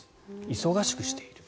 忙しくしている。